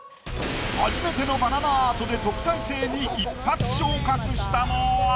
初めてのバナナアートで特待生に一発昇格したのは？